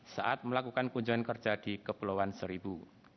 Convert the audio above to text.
saat melakukan kunjungan kerja di kepulauan seribu